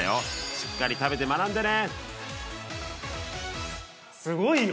しっかり食べて学んでね！